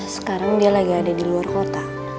sekarang dia lagi ada di luar kota